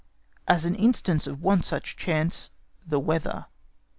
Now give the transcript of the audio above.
As an instance of one such chance: the weather.